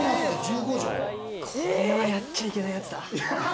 これはやっちゃいけないやつだ。